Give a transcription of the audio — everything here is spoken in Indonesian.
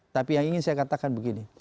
tapi yang ingin saya katakan begini